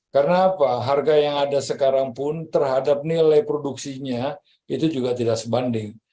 karena apa harga yang ada sekarang pun terhadap nilai produksinya itu juga tidak sebanding